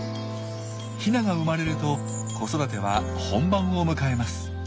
ヒナが生まれると子育ては本番を迎えます。